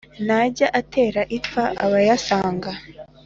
ntajya atera ipfa abayasanga